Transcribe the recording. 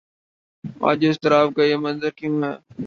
آج اضطراب کا یہ منظر کیوں ہے؟